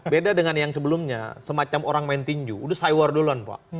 beda dengan yang sebelumnya semacam orang main tinju udah cy war duluan pak